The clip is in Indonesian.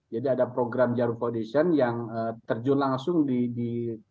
jadi ada program jarum foundation yang terjun langsung di kecamatan tambora